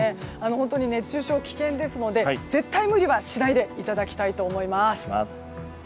本当に熱中症が危険ですので絶対無理はしないでいただきたいと思います。